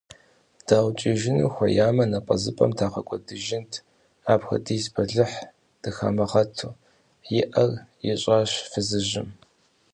ДаукӀыжыну хуеямэ, напӀэзыпӀэм дагъэкӀуэдыжынт, апхуэдиз бэлыхьым дыхамыгъэту, – и Ӏэр ищӀащ фызыжьым.